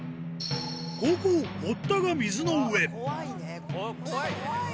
後攻、堀田が水の上。